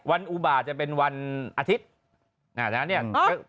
อุบาตจะเป็นวันอาทิตย์